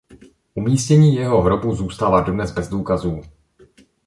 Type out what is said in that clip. Umístění jeho hrobu zůstává dodnes bez důkazů.